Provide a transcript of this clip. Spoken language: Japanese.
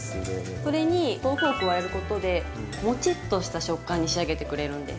それに豆腐を加えることでもちっとした食感に仕上げてくれるんです。